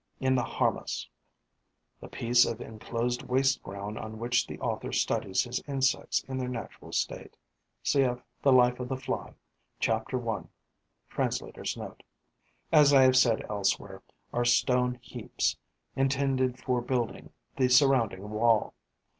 In the harmas (The piece of enclosed waste ground on which the author studies his insects in their natural state. Cf. "The Life of the Fly": chapter 1. Translator's Note.), as I have said elsewhere, are stone heaps, intended for building the surrounding wall.